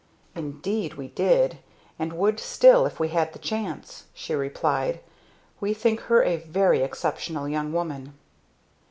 "Indeed we did and would still if we had the chance," she replied. "We think her a very exceptional young woman."